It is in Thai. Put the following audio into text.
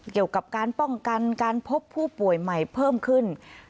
เกี่ยวกับการป้องกันการพบผู้ป่วยใหม่เพิ่มขึ้น